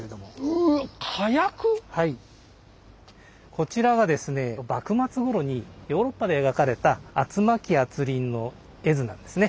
こちらはですね幕末頃にヨーロッパで描かれた圧磨機圧輪の絵図なんですね。